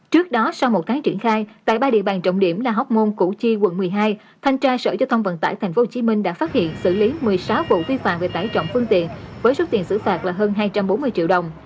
trước đó sau một tháng triển khai tại ba địa bàn trọng điểm là hóc môn củ chi quận một mươi hai thanh tra sở giao thông vận tải tp hcm đã phát hiện xử lý một mươi sáu vụ vi phạm về tải trọng phương tiện với số tiền xử phạt là hơn hai trăm bốn mươi triệu đồng